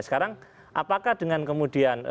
sekarang apakah dengan kemudian